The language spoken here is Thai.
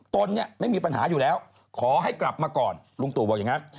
ตนเนี่ยไม่มีปัญหาอยู่แล้วขอให้กลับมาก่อนลุงตู่บอกอย่างนั้น